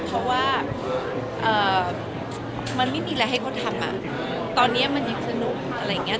เพราะว่ามันไม่มีอะไรให้เขาทำตอนนี้มันยังสนุกอะไรอย่างนี้